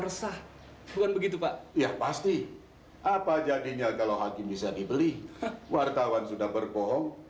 resah bukan begitu pak ya pasti apa jadinya kalau hakim bisa dibeli wartawan sudah berbohong